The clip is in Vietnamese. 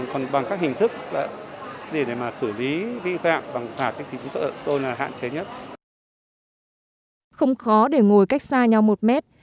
không khó để ngồi cách xa nhau một mét